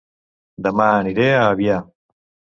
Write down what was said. Dema aniré a Avià